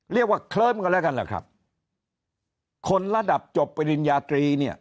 เคลิ้มกันแล้วกันแหละครับคนระดับจบปริญญาตรีเนี่ย